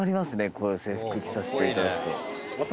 この制服着させていただくと。